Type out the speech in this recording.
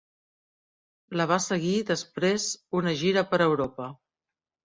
La va seguir després una gira per Europa.